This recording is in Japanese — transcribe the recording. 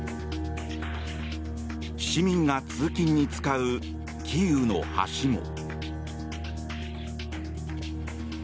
市民が通勤に使うキーウの橋も。